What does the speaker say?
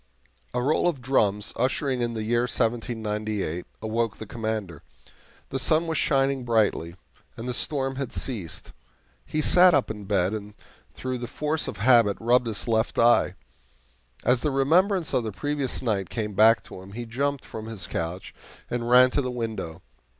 A roll of drums, ushering in the year 1798, awoke the Commander. The sun was shining brightly, and the storm had ceased. He sat up in bed, and through the force of habit rubbed his left eye. As the remembrance of the previous night came back to him, he jumped from his couch and ran to the window.